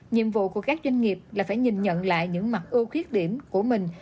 nhiệm vụ của các doanh nghiệp là phải nhìn nhận lại những mặt ưu khuyết điểm của mình